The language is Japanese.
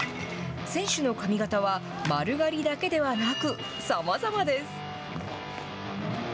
選手の髪形は丸刈りだけではなくさまざまです。